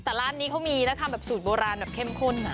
แต่ร้านนี้เขามีแล้วทำแบบสูตรโบราณแบบเข้มข้น